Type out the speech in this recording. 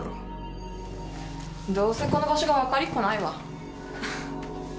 どうせこの場所がわかりっこないわフフ。